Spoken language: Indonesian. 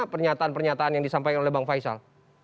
pernyataan pernyataan yang disampaikan oleh bang faisal